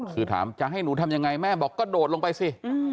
คือถามจะให้หนูทำยังไงแม่บอกกระโดดลงไปสิ